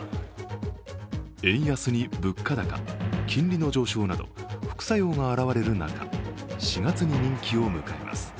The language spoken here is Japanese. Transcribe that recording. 円安に物価高、金利の上昇など副作用が現れる中、４月に任期を迎えます。